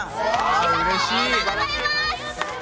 リサさんありがとうございます！